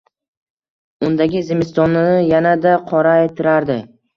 Undagi zimistonni yanada qoraytirardi.